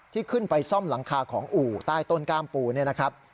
ที่ขึ้นไปซ่อมหลังคาของอู่ใต้ต้นก้ามปูเนี่ยนะครับ